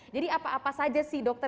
jadi apa apa saja sih dokter